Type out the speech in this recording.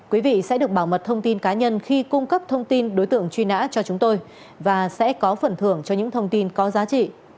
quý vị sẽ được bảo mật thông tin cá nhân khi cung cấp thông tin đối tượng truy nã cho chúng tôi và sẽ có phần thưởng cho những thông tin có giá trị